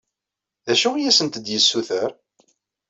D acu i asent-d-yessuter?